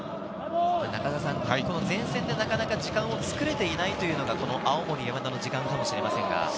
この前線でなかなか時間を作れていないというのが青森山田の時間かもしれませんね。